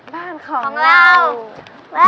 บ้านของเรา